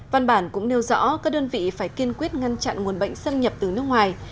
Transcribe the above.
văn bản cũng nêu rõ các đơn vị phải kiên quyết ngăn chặn nguồn bệnh xâm nhập từ nước ngoài